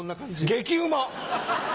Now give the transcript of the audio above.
激うま！